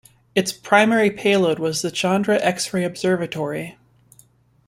Its primary payload was the Chandra X-ray Observatory.